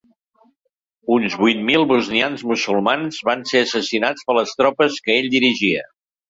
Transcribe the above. Uns vuit mil bosnians musulmans van ser assassinats per les tropes que ell dirigia.